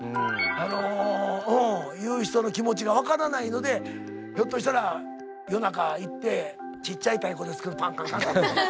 あのうん言う人の気持ちが分からないのでひょっとしたら夜中行ってちっちゃい太鼓でパンパンカンカン。